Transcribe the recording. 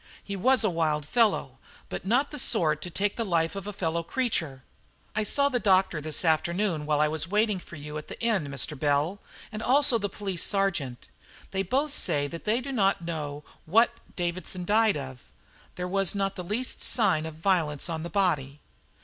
He was a wild fellow, but not the sort to take the life of a fellow creature. I saw the doctor this afternoon while I was waiting for you at the inn, Mr. Bell, and also the police sergeant. They both say they do not know what Davidson died of. There was not the least sign of violence on the body."